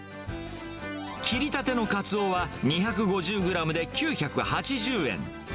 切りたてのかつおは、２５０グラムで９８０円。